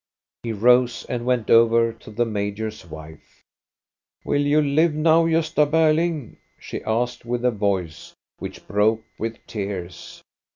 He rose and went over to the major's wife. " Will you live now? Gosta Berling? " she asked with a voice which broke with tears.